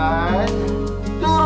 atas lagi turun ke bawah